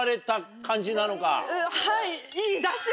はい。